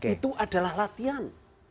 itu adalah latihan